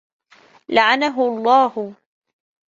لَعَنَهُ اللَّهُ